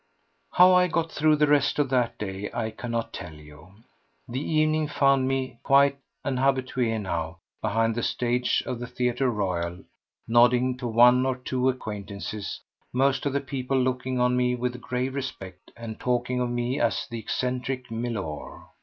How I got through the rest of that day I cannot tell you. The evening found me—quite an habitué now—behind the stage of the Theatre Royal, nodding to one or two acquaintances, most of the people looking on me with grave respect and talking of me as the eccentric milor.